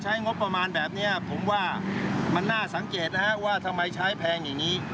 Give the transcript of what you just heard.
งบประมาณแบบนี้ผมว่ามันน่าสังเกตนะฮะว่าทำไมใช้แพงอย่างนี้